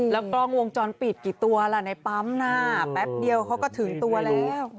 แล้วกล้องวงจรปิดกี่ตัวล่ะในปั๊มน่ะแป๊บเดียวเขาก็ถึงตัวแล้ว